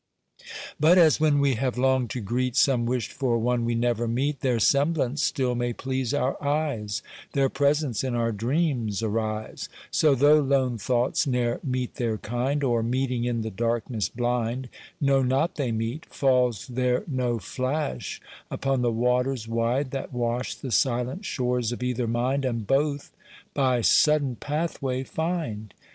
But as when we have longed to greet Some wished for one we never meet, Their semblance still may please our eyes, Their presence in our dreams arise; So, though lone thoughts ne'er meet their kind, Or, meeting in the darkness blind, Know not they meet—falls there no flash Upon the waters wide that wash The silent shores of either mind, And both by sudden pathway find?